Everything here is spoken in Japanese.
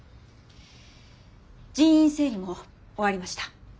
人員整理も終わりました。